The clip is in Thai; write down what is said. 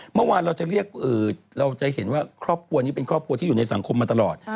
เมื่อวานเราจะเรียกเราจะเห็นว่าครอบครัวนี้เป็นครอบครัวที่อยู่ในสังคมมาตลอด